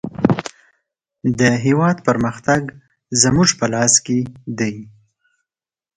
د هېواد پرمختګ زموږ په لاس کې دی.